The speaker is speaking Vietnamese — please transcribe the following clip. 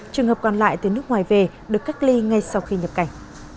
trường hợp còn lại tới nước ngoài về được cắt ly ngay sau khi nhập cảnh